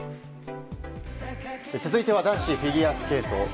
続いては男子フィギュアスケート。